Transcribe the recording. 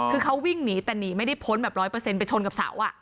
คือเขาวิ่งหนีแต่หนีไม่ได้พ้นแบบร้อยเปอร์เซ็นต์ไปชนกับเสาอ่ะ